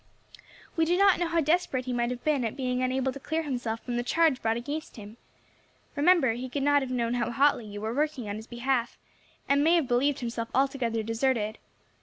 "We do not know how desperate he might have been at being unable to clear himself from the charge brought against him. Remember, he could not have known how hotly you were working on his behalf, and may have believed himself altogether deserted.